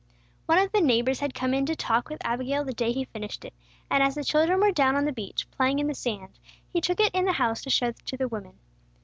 One of the neighbors had come in to talk with Abigail the day he finished it, and as the children were down on the beach, playing in the sand, he took it in the house to show to the women.